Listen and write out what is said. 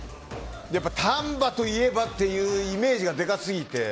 やっぱ丹波といえばというイメージがでかすぎて。